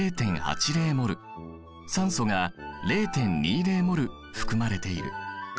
酸素が０．２０ｍｏｌ含まれている。